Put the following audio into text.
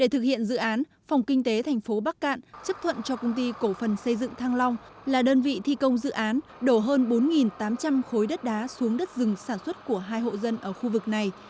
để thực hiện dự án phòng kinh tế thành phố bắc cạn chấp thuận cho công ty cổ phần xây dựng thăng long là đơn vị thi công dự án đổ hơn bốn tám trăm linh khối đất đá xuống đất rừng sản xuất của hai hộ dân ở khu vực này